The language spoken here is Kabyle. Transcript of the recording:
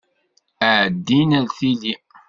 Ɛeddim ar tili!